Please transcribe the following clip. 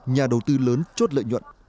nhà đầu tư lớn chốt lợi nhuận